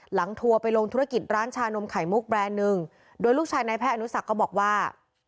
ทัวร์ไปลงธุรกิจร้านชานมไข่มุกแบรนด์หนึ่งโดยลูกชายนายแพทย์อนุสักก็บอกว่า